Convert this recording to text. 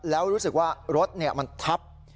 แล้วรู้สึกว่ารถมันทับ